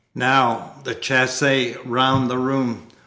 Now, the chassée round the room.